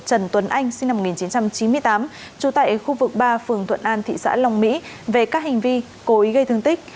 trần tuấn anh sinh năm một nghìn chín trăm chín mươi tám trụ tại khu vực ba phường thuận an tp huế về các hành vi cố ý gây thương tích